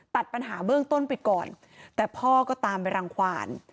ตัดปัญหาเบื้องต้นไปก่อนแต่พ่อก็ตามไปรังความ